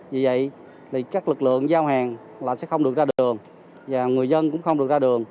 vì vậy các lực lượng giao hàng là sẽ không được ra đường và người dân cũng không được ra đường